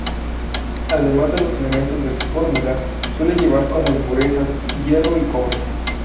Además de los elementos de su fórmula, suele llevar como impurezas: hierro y cobre.